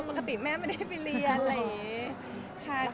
ปกติแม่ไม่ได้ไปเรียนอะไรอย่างนี้